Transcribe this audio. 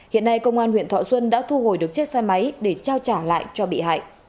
hiện nay công an huyện thọ xuân đã thu hồi được chiếc xe máy để trao trả lại cho bị hại